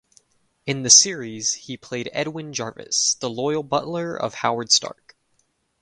In the series, he played Edwin Jarvis, the loyal butler of Howard Stark.